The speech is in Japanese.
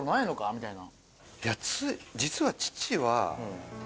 みたいな。